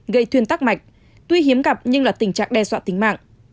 gây thương tắc mạch tuy hiếm gặp nhưng là tình trạng đe dọa tính mạng